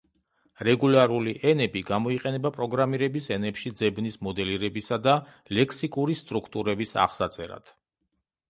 რეგულარული ენები გამოიყენება პროგრამირების ენებში ძებნის მოდელებისა და ლექსიკური სტრუქტურების აღსაწერად.